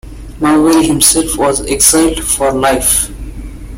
Mowbray himself was exiled for life.